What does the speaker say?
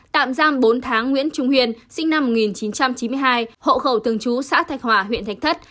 tạm giam bốn tháng nguyễn trung huyền sinh năm một nghìn chín trăm chín mươi hai hộ khẩu thường trú xã thạch hòa huyện thạch thất